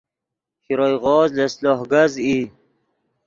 شروئے غوز لس لوہ کز ای